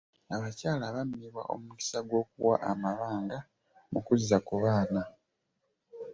Abakyala bammibwa omukisa gw'okuwa amabanga mu kuzza ku baana.